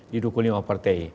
didukung lima partai